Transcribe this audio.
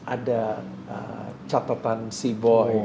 ada catatan si boy